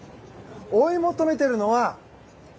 追い求めているのは。